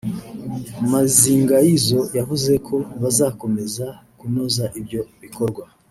Mazingaizo yavuze ko bazakomeza kunoza ibyo bikorwa